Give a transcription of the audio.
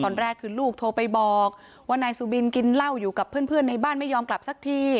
ตอนแรกคือลูกโทรไปบอกว่านายสุบินกินเหล้าอยู่กับเพื่อนในบ้านไม่ยอมกลับสักที